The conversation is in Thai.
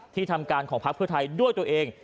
ทำการของพักเพื่อไทยด้วยตัวเอง